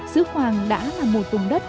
sứ khoàng đã là một vùng đất